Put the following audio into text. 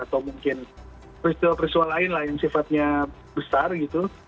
atau mungkin peristiwa peristiwa lain lah yang sifatnya besar gitu